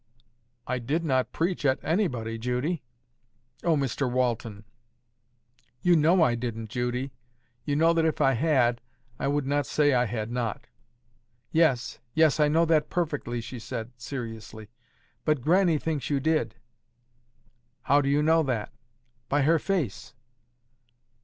"I did not preach at anybody, Judy." "Oh, Mr Walton!" "You know I didn't, Judy. You know that if I had, I would not say I had not." "Yes, yes; I know that perfectly," she said, seriously. "But Grannie thinks you did." "How do you know that?" "By her face."